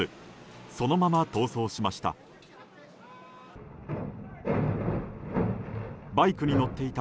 そのまま逃走しました。